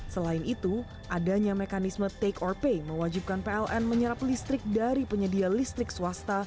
selain itu adanya mekanisme take or pay mewajibkan pln menyerap listrik dari penyedia listrik swasta